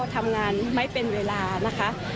ทำงานไม่เป็นเวลานะคะ